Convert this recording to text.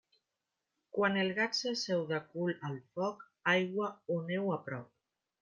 Quan el gat s'asseu de cul al foc, aigua o neu a prop.